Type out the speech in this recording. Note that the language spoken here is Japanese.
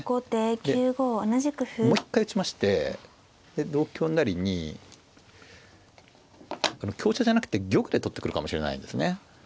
でもう一回打ちましてで同香成に香車じゃなくて玉で取ってくるかもしれないんですね。